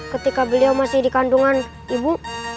ketika beliau masih dikandungan ibu